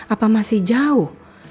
apa masih jauh